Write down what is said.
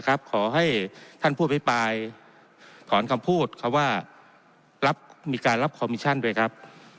ปลายขออนุญาตคำพูดเขาว่ารับมีการรับคอมมิชชั่นด้วยครับ